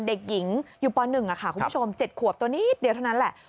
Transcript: เด็กหญิงอยู่ป๑ค่ะคุณผู้ชม๗ขวบตัวนิดเดียวเท่านั้นแหละ